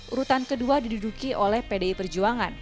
urutan kedua diduduki oleh pdi perjuangan